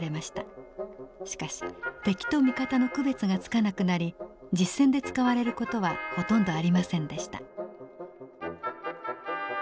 しかし敵と味方の区別がつかなくなり実戦で使われる事はほとんどありませんでした。